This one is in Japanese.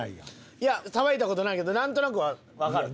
いやさばいた事ないけどなんとなくはわかる。